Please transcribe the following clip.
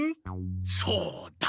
そうだ。